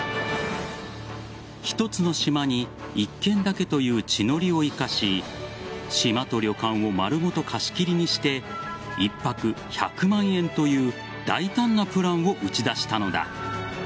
１つの島に１軒だけという地の利を生かし島と旅館を丸ごと貸し切りにして１泊１００万円という大胆なプランを打ち出したのだ。